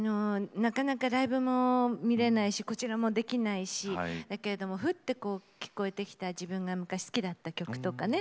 なかなかライブもできないしこちらもできないし、だけれどもふって聴こえてきた自分が好きだった歌